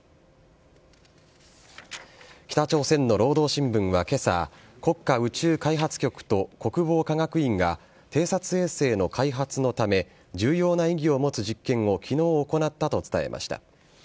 北朝鮮の労働新聞はけさ、国家宇宙開発局と国防科学院が、偵察衛星の開発のため、重要な意義を持つ実験をきのう行ったと伝えました。